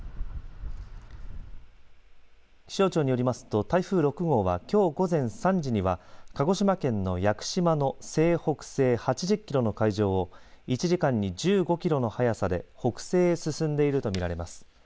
気象庁によりますと、台風６号はきょう午前３時には鹿児島県の屋久島の西北西８０キロの海上を１時間に１５キロの速さで北西へ進んでいると見られます。